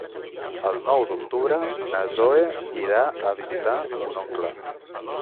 El nou d'octubre na Zoè irà a visitar mon oncle.